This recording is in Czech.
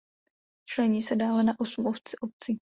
Člení se dále na osm obcí.